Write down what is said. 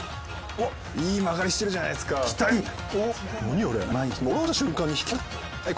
おっいい曲がりしてるじゃないですか来たいい！